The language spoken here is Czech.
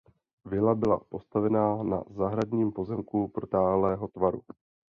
Vila byla postavena na zahradním pozemku protáhlého tvaru.